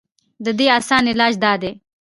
د دې اسان علاج دا دے